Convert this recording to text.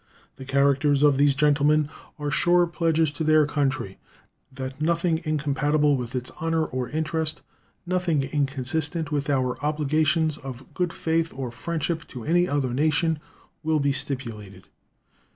The characters of these gentlemen are sure pledges to their country that nothing incompatible with its honor or interest, nothing inconsistent with our obligations of good faith or friendship to any other nation, will be stipulated.